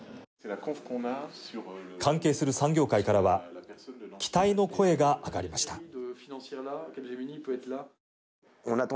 関係する産業界からは期待の声があがりました。